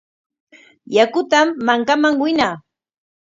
Yakutam mankaman winaa.